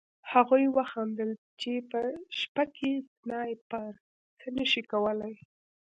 هغوی وخندل چې په شپه کې سنایپر څه نه شي کولی